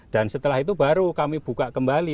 dan setelah itu baru kami buka kembali